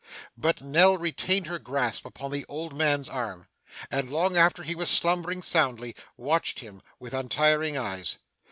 But Nell retained her grasp upon the old man's arm, and long after he was slumbering soundly, watched him with untiring eyes.